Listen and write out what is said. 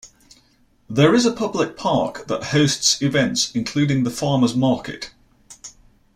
There is a public park that hosts events including the farmers market.